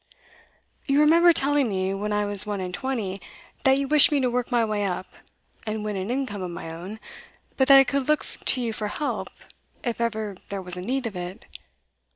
'You remember telling me, when I was one and twenty, that you wished me to work my way up, and win an income of my own, but that I could look to you for help, if ever there was need of it